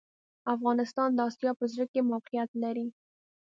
افغانستان د اسیا په زړه کي موقیعت لري